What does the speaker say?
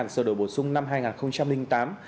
sở đổi bổ sung năm hai nghìn tám